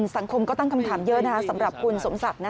สังคมก็ตั้งคำถามเยอะนะครับสำหรับคุณสมศัพท์